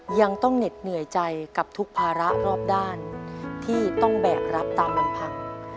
ยังต้องเหน็ดเหนื่อยใจกับทุกภาระรอบด้านที่ต้องแบกรับตามลำพัง